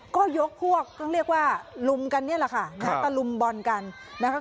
ก็ยกพวกก็เรียกว่าลุมกันนี่แหละค่ะตะลุมบอลกันนะคะ